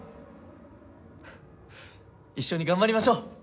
一緒に頑張りましょう！